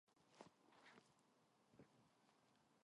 그리고 명주 저고리 바지에 세루 조끼를 말큰말큰하게 입었다.